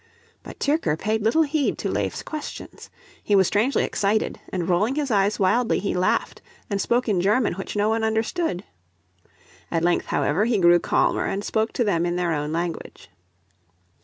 But Tyrker paid little heed to Leif's questions. He was strangely excited, and rolling his eyes wildly he laughed and spoke in German which no one understood. At length, however, he grew calmer and spoke to them in their own language.